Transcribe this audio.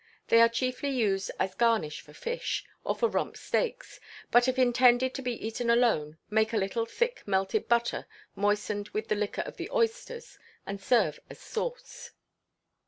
They are chiefly used as garnish for fish, or for rump steaks; but if intended to be eaten alone, make a little thick melted butter, moistened with the liquor of the oysters, and serve as sauce.